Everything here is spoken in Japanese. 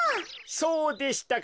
そうでしたか。